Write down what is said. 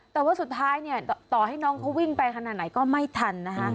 แต่ว่าสุดท้ายเนี่ยต่อให้น้องเขาวิ่งไปขนาดไหนก็ไม่ทันนะคะ